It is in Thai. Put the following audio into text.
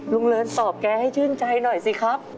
เลินตอบแกให้ชื่นใจหน่อยสิครับ